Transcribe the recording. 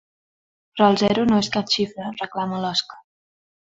Però el zero no és cap xifra —reclama l'Òskar.